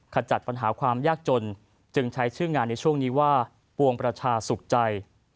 ขจัดปัญหาความยากจนจึงใช้ชื่องานในช่วงนี้ว่าปวงประชาสุขใจ